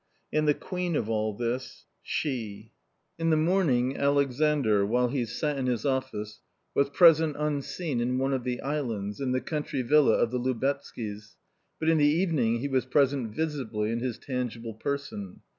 And the queen of all this — She. A COMMON STORY 83 In the morning, Alexandr, while he sat in his office, was present unseen in one of the islands, in the country villa of the Lubetzky's, but in the evening he was present visibly in his tangible person.